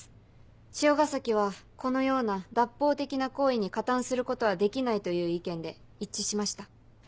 汐ヶ崎はこのような脱法的な行為に加担することはできないという意見で一致しました。